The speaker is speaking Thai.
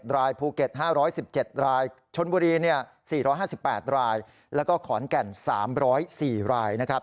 รายภูเก็ต๕๑๗รายชนบุรี๔๕๘รายแล้วก็ขอนแก่น๓๐๔รายนะครับ